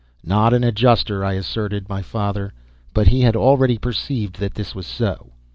"Not an Adjuster," I asserted my father, but he had already perceived that this was so.